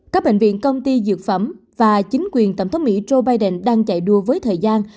các bệnh viện công ty dược phẩm và chính quyền tổng thống mỹ joe biden đang chạy đua với thời gian